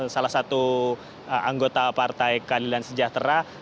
salah satu anggota partai keadilan sejahtera